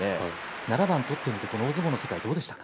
７番取る大相撲の世界はどうでしたか。